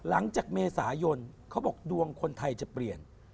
หลังจากเมษายนเขาบอกดวงคนไทยจะเปลี่ยน